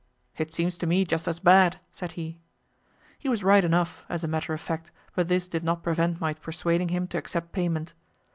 "It seems to me just as bad," said he. He was right enough, as a matter of fact, but this did not prevent my persuading him to accept payment.